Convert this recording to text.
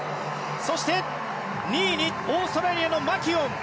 そして、２位にオーストラリアのマキュオン。